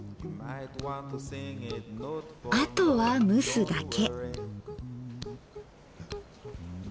あとは蒸すだけ。